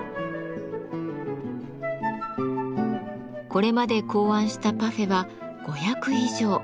これまで考案したパフェは５００以上。